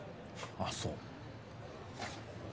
あっそう！